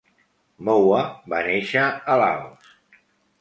Moua va néixer a Laos.